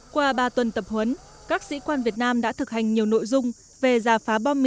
qua ba tuần tập huấn các sĩ quan việt nam đã thực hành nhiều nội dung về gia phá